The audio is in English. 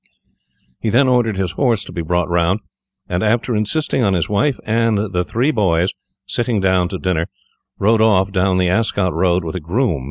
He then ordered his horse to be brought round, and, after insisting on his wife and the three boys sitting down to dinner, rode off down the Ascot road with a groom.